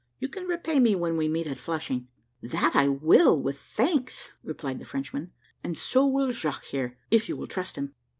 You can repay me when we meet at Flushing." "That I will, with thanks," replied the Frenchman, "and so will Jaques, here, if you will trust him."